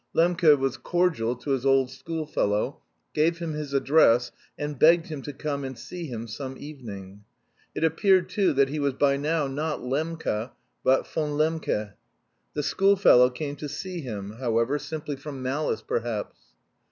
Lembke was cordial to his old schoolfellow, gave him his address, and begged him to come and see him some evening. It appeared, too, that he was by now not "Lembka" but "Von Lembke." The schoolfellow came to see him, however, simply from malice perhaps.